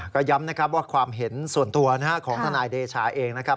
ก็ย้ำนะครับว่าความเห็นส่วนตัวของทนายเดชาเองนะครับ